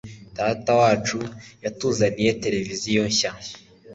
Datawacu yatuzaniye televiziyo nshya.